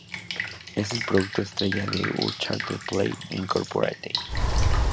Es el producto estrella de Uncharted Play, Incorporated.